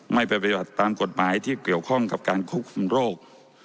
ไม่ไปปฏิบัติตามกฎหมายที่เกี่ยวข้องกับการควบคุมโรค